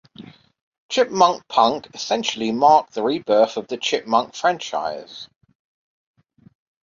"Chipmunk Punk" essentially marked the rebirth of the Chipmunk franchise.